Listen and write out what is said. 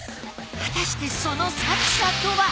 果たしてその作者とは？